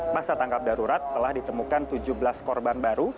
masa tangkap darurat telah ditemukan tujuh belas korban baru